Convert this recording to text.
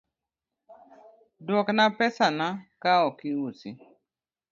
Dwokna pesa na ka ok iusi.